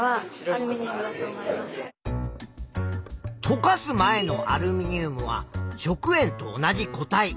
とかす前のアルミニウムは食塩と同じ固体。